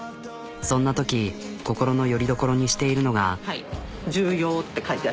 そんなとき心のよりどころにしているのが。